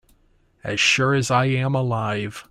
As sure as I am alive.